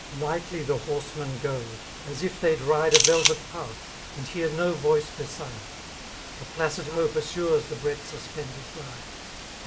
Lightly the horsemen go> as if they'd ride A velvet path^ and hear no voice beside : A placid hope assures the breath suspended bride.